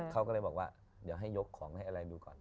เขาก็เลยบอกว่าเดี๋ยวให้ยกของให้อะไรดูก่อน